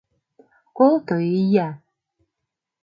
Колто, ия!